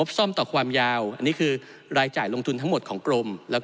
ที่เราจะต้องลดความเหลื่อมล้ำโดยการแก้ปัญหาเชิงโครงสร้างของงบประมาณ